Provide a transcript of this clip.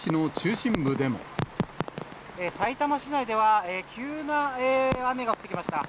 さいたま市内では、急な雨が降ってきました。